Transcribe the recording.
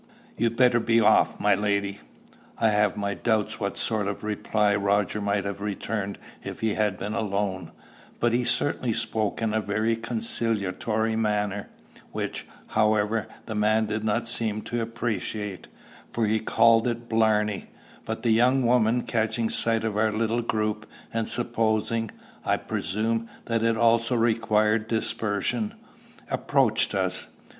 You'd better be off, my lady." I have my doubts what sort of reply Roger might have returned if he had been alone, but he certainly spoke in a very conciliatory manner, which, however, the man did not seem to appreciate, for he called it blarney; but the young woman, catching sight of our little group, and supposing, I presume, that it also required dispersion, approached us.